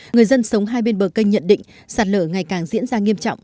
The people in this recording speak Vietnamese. người dân sống hai bên bờ kênh nhận định sạt lở ngày càng diễn ra nghiêm trọng